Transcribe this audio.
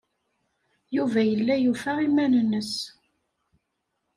Yuba yella yufa iman-nnes.